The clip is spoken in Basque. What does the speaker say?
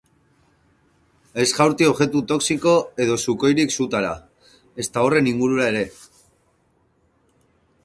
Ez jaurti objektu toxiko edo sukoirik sutara, ezta horren ingurura ere.